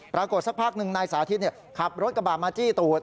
สักพักหนึ่งนายสาธิตขับรถกระบะมาจี้ตูด